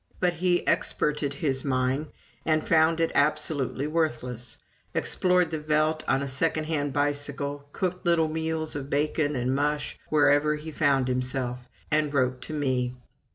But he experted his mine, and found it absolutely worthless; explored the veldt on a second hand bicycle, cooked little meals of bacon and mush wherever he found himself, and wrote to me.